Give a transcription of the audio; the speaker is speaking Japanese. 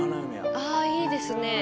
ああいいですね。